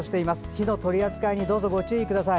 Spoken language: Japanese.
火の取り扱いにどうぞご注意ください。